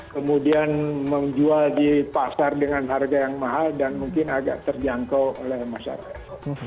kemudian menjual di pasar dengan harga yang mahal dan mungkin agak terjangkau oleh masyarakat